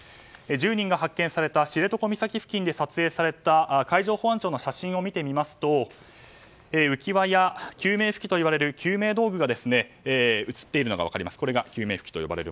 １０人が発見された知床岬付近で撮影された海上保安庁の写真を見てみますと浮き輪や救命浮器と呼ばれる救命道具が映っているのが分かります。